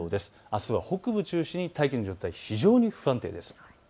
あすは北部を中心に大気の状態が非常に不安定です。